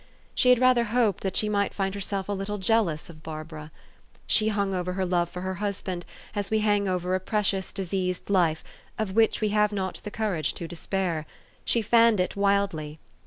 She had rather hoped that she might find herself a little jealous of Barbara. She hung over her love for her husband as we hang over 342 THE STORY OF AVIS. a precious, diseased life, of which we have not the courage to despair. She fanned it wildly.